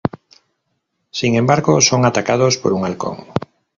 Sin embargo, son atacados por un halcón.